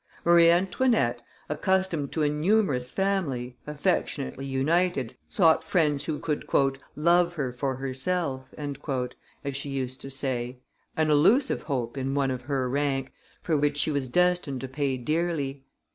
Marie Antoinette, accustomed to a numerous family, affectionately united, sought friends who could "love her for herself," as she used to say: an illusive hope, in one of her rank, for which she was destined to pay dearly.